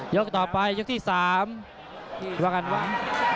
ยกต่อไปยกที่สาม